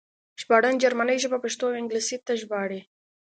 ژباړن جرمنۍ ژبه پښتو او انګلیسي ته ژباړي